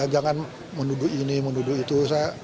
jangan menduduk ini menuduh itu